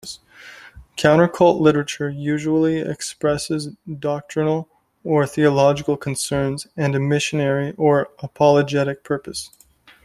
Countercult literature usually expresses doctrinal or theological concerns and a missionary or apologetic purpose.